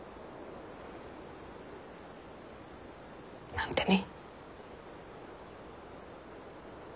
なんてね。